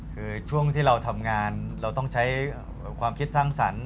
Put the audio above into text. คือช่วงที่เราทำงานเราต้องใช้ความคิดสร้างสรรค์